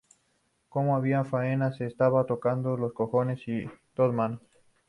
Como no había faena se estaba tocando los cojones a dos manos